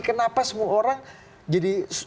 kenapa semua orang jadi